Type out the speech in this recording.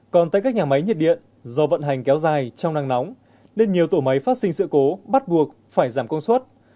còn tại các nhà máy nhiệt điện do vận hành kéo dài trong nắng nóng nên nhiều tổ máy phát sinh sự cố bắt buộc phải giảm công suất